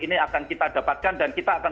ini akan kita dapatkan dan kita akan